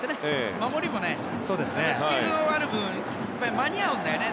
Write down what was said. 守りもスピードがある分間に合うんだよね。